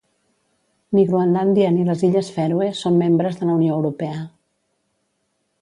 Ni Groenlàndia ni les Illes Fèroe són membres de la Unió Europea.